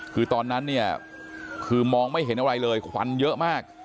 คือตอนนั้นเนี่ยคือมองไม่เห็นอะไรเลยควันเยอะมาก